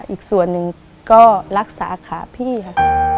อีกส่วนหนึ่งก็รักษาขาพี่ค่ะ